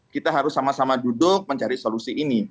kita harus sama sama duduk mencari solusi ini